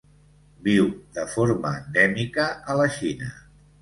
Viu de forma endèmica a la Xina.